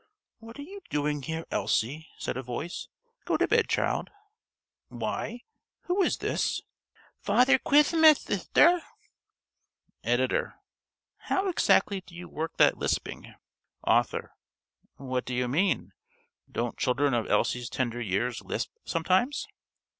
_) "What are you doing here, Elsie?" said a voice. "Go to bed, child. Why, who is this?" "Father Kwithmath, thithter." (~Editor.~ How exactly do you work the lisping? ~Author.~ _What do you mean? Don't children of Elsie's tender years lisp sometimes?